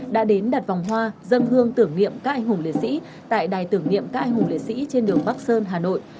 đã đến đặt vòng hoa dân hương tưởng niệm các anh hùng liệt sĩ tại đài tưởng niệm các anh hùng liệt sĩ trên đường bắc sơn hà nội